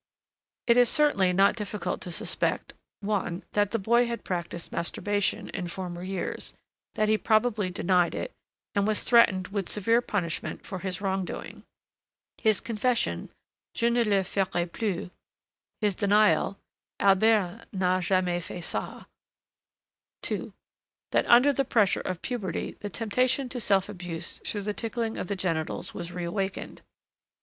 It is certainly not difficult to suspect: 1, that the boy had practiced masturbation in former years, that he probably denied it, and was threatened with severe punishment for his wrongdoing (his confession: Je ne le ferai plus; his denial: Albert n'a jamais fait ça). 2, That under the pressure of puberty the temptation to self abuse through the tickling of the genitals was reawakened.